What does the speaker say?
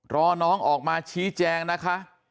รอน้องออกมาชี้แจงนะคะ